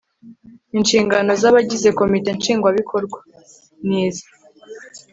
inshingano z'abagize komite nshingwabikorwa ni izi